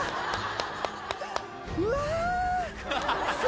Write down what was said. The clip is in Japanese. うわ！